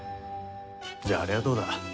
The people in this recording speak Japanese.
じゃああれはどうだ。